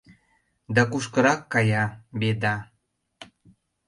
Да кушкырак кая «Беда?»